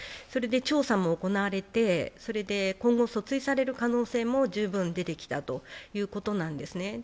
それで調査も行われて、今後、訴追される可能性も十分出てきたということなんです。